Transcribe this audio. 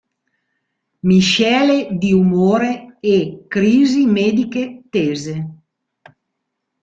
Miscele di umore e crisi mediche tese.